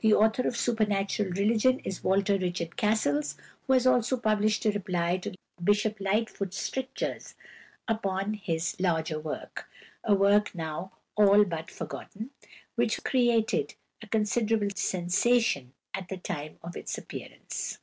The author of "Supernatural Religion" is Walter Richard Cassels, who has also published a reply to Bishop Lightfoot's strictures upon his larger work a work now all but forgotten, but which created a considerable sensation at the time of its appearance.